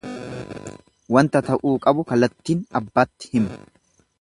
Wanta ta'uu qabu kalattin abbatti himu.